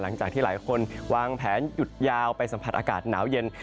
หลังจากที่หลายคนวางแผนหยุดยาวไปสัมผัสอากาศหนาวเย็น